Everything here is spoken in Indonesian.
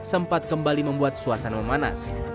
sempat kembali membuat suasana memanas